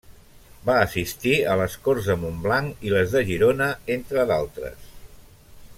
Va assistir a les Corts de Montblanc i les de Girona entre d'altres.